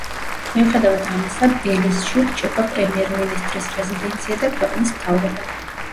მიუხედავად ამისა, ბელიზში რჩება პრემიერ-მინისტრის რეზიდენცია და ქვეყნის მთავრობა.